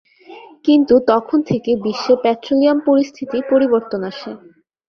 কিন্তু তখন থেকে বিশ্বে পেট্রোলিয়াম পরিস্থিতি পরিবর্তন আসে।